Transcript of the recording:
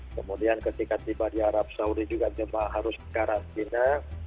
kemudian ketika tiba di arab saudi juga jemaah harus karantina